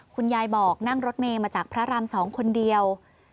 คุณยายบอกนั่งรถเมย์มาจากพระราม๒คนเดียว